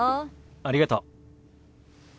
ありがとう。